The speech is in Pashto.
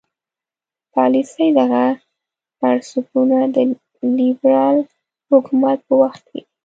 د پالیسۍ دغه پرنسیپونه د لیبرال حکومت په وخت کې.